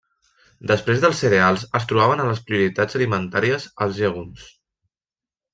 Després dels cereals es trobaven a les prioritats alimentàries els llegums.